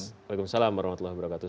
waalaikumsalam warahmatullahi wabarakatuh